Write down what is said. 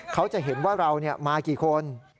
เขาจะเห็นว่าเรามากี่คน